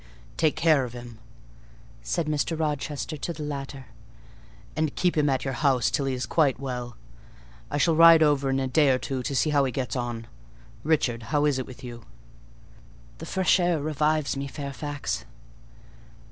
"Take care of him," said Mr. Rochester to the latter, "and keep him at your house till he is quite well: I shall ride over in a day or two to see how he gets on. Richard, how is it with you?" "The fresh air revives me, Fairfax."